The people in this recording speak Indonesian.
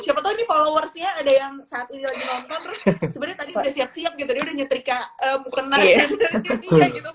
siapa tau nih followersnya ada yang saat ini lagi nonton terus sebenarnya tadi udah siap siap gitu dia udah nyetrika mukenario tiga gitu